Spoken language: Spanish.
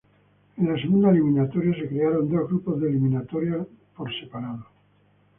En la segunda eliminatoria se crearon dos grupos de eliminatorias separados.